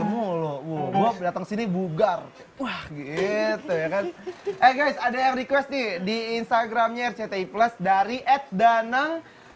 mau lo datang sini bugar wah gitu ya guys ada yang request di instagramnya rctplus dari at danang